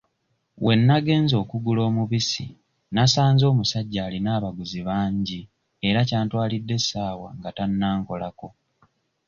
We nagenze okugula omubisi nasanze omusajja alina abaguzi bangi era kyantwalidde essaawa nga tannankolako.